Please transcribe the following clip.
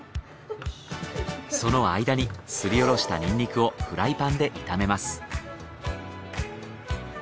その間にすり下ろしたニンニクをフライパンで炒めます。